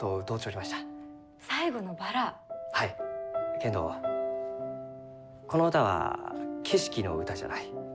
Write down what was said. けんどこの歌は景色の歌じゃない。